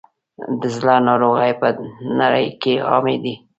د زړه ناروغۍ په نړۍ کې عامې دي.